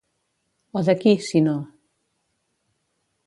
O de qui, si no?